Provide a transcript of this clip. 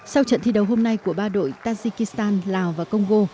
sau trận thi đấu hôm nay của ba đội tajikistan lào và congo